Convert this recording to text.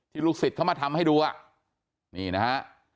ลูกศิษย์เขามาทำให้ดูอ่ะนี่นะฮะ